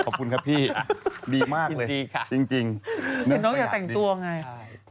ขอบคุณครับพี่ดีมากเลยจริงนึกประหยัดดีน้องอยากแต่งตัวไง